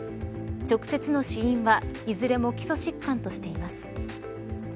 直接の死因はいずれも基礎疾患としています。